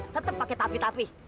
tetep pakai tapi tapi